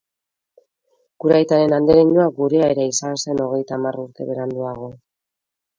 Gure aitaren andereñoa gurea ere izan zen hogeita hamar urte beranduago.